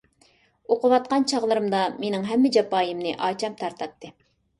ئوقۇۋاتقان چاغلىرىمدا مېنىڭ ھەممە جاپايىمنى ئاچام تارتاتتى.